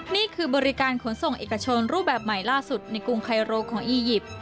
นี่คือบริการขนส่งเอกชนรูปแบบใหม่ล่าสุดในกรุงไคโรของอียิปต์